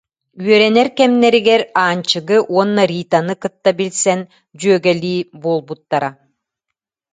Үөрэнэр кэмнэригэр Аанчыгы уонна Ританы кытта билсэн, дьүөгэлии буолбуттара.